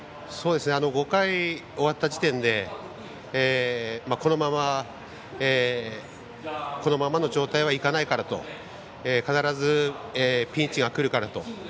５回終わった時点でこのままの状態ではいかないからと必ず、ピンチが来るからと。